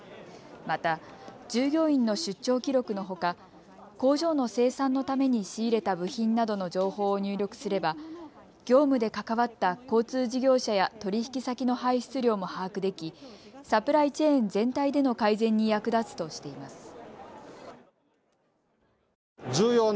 また従業員の出張記録のほか工場の生産のために仕入れた部品などの情報を入力すれば業務で関わった交通事業者や取引先の排出量も把握できサプライチェーン全体での改善に役立つとしています。